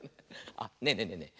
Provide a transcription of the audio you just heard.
あっねえねえねえねえ